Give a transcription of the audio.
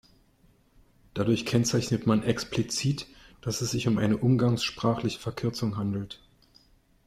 Dadurch kennzeichnet man explizit, dass es sich um eine umgangssprachliche Verkürzung handelt.